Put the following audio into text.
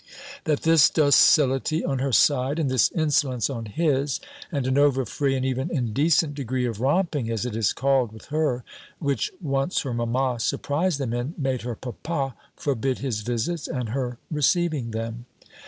That this docility on her side, and this insolence on his, and an over free, and even indecent degree of romping, as it is called, with her, which once her mamma surprised them in, made her papa forbid his visits, and her receiving them.